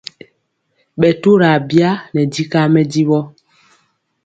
Ɓɛ turɔ abya nɛ dikaa mɛdivɔ.